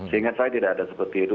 seingat saya tidak ada seperti itu